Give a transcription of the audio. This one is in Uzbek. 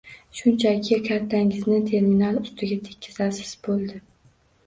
Shunchaki kartangizni terminal ustiga tekkizasiz, boʻldi.